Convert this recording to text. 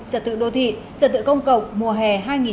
trật tự đô thị trật tự công cộng mùa hè hai nghìn một mươi chín